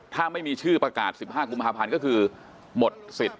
ถ้าไม่มีชื่อประกาศ๑๕กุมภาพันธ์ก็คือหมดสิทธิ์